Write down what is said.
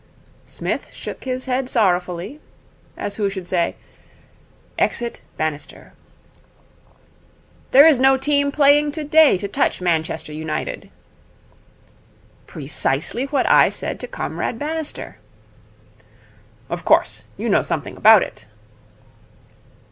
Psmith shook his head sorrowfully, as who should say, 'Exit Bannister.' 'There is no team playing today to touch Manchester United.' 'Precisely what I said to Comrade Bannister.' 'Of course. You know something about it.'